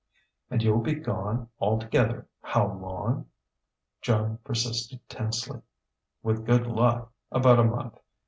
"And you'll be gone, altogether, how long?" Joan persisted tensely. "With good luck, about a month.